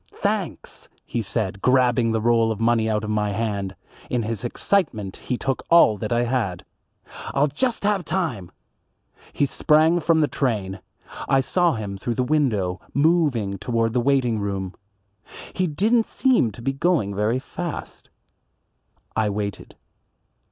"Thanks," he said grabbing the roll of money out of my hand, in his excitement he took all that I had. "I'll just have time." He sprang from the train. I saw him through the window, moving toward the waiting room. He didn't seem going very fast. I waited.